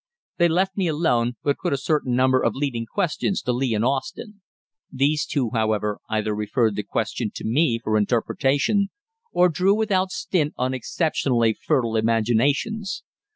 They left me alone, but put a certain number of leading questions to Lee and Austin. These two, however, either referred the question to me for interpretation, or drew without stint on exceptionally fertile imaginations.